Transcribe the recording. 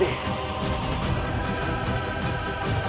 tak ada bantuan